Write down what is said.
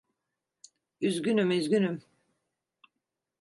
Üzgünüm, üzgünüm.